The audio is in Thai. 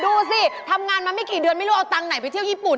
ดูสิทำงานมาไม่กี่เดือนไม่รู้เอาตังค์ไหนไปเที่ยวญี่ปุ่น